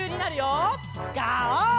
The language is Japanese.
ガオー！